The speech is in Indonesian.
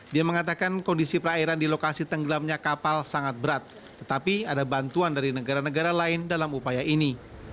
dia mengatakan kondisi perairan di lokasi tenggelamnya kapal sangat berat tetapi ada bantuan dari negara negara lain dalam upaya ini